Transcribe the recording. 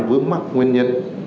vướng mắt nguyên nhân